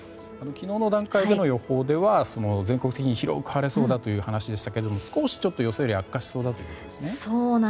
昨日の段階での予報では全国的に広く晴れそうだという話でしたけれども少しちょっと悪化しそうだということですね。